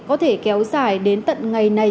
có thể kéo dài đến tận ngày này